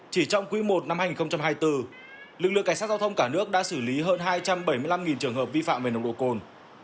chỉ trong quý i năm hai nghìn hai mươi bốn lực lượng cảnh sát giao thông cả nước đã xử lý hơn hai trăm bảy mươi năm trường hợp vi phạm về nồng độ cồn